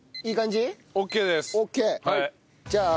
いい感じ？